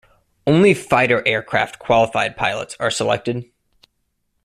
Only Fighter aircraft qualified pilots are selected.